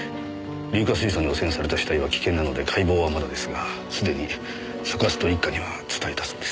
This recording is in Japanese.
硫化水素に汚染された死体は危険なので解剖はまだですがすでに所轄と一課には伝えたそうです。